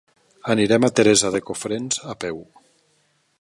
Anirem a Teresa de Cofrents a peu.